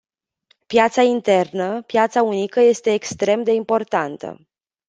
Piața internă, piața unică este extrem de importantă.